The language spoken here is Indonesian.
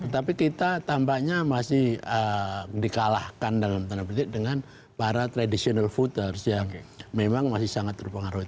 tapi kita tampaknya masih di kalahkan dalam tanda berikut dengan para traditional voters yang memang masih sangat berpengaruhi